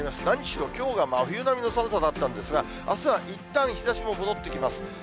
何しろきょうが真冬並みの寒さだったんですが、あすはいったん日ざしも戻ってきます。